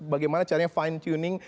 bagaimana caranya fine tuning